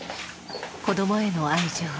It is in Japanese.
子どもへの愛情。